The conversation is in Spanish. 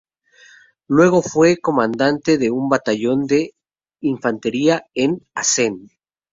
Luego fue comandante de un batallón de infantería en Assen.